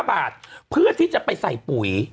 ๕บาทเพื่อที่จะไปใส่ปุ๋ย